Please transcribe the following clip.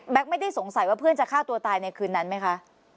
ไม่ได้สงสัยว่าเพื่อนจะฆ่าตัวตายในคืนนั้นไหมคะ